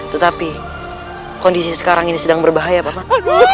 tetapi kondisi sekarang ini sedang berbahaya bapak